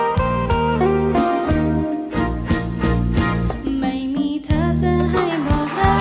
เสียงที่สุดท้ายที่สุดท้ายที่สุดท้าย